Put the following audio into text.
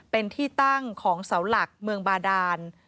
เป็นที่ตั้งของเสาหลักเมืองบาดาน